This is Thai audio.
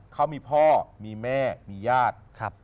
เขามีพ่อมีแม่มีญาติ